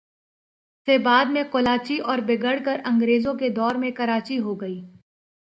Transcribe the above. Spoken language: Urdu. سے بعد میں کولاچی اور بگڑ کر انگریزوں کے دور میں کراچی ھو گئی